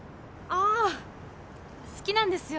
あ好きなんですよ